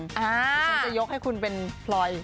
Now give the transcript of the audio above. ผมจะยกให้คุณเป็นพลอย